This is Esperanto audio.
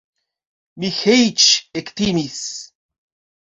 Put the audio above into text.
Miĥeiĉ ektimis.